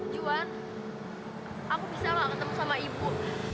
juan aku bisa gak ketemu sama ibu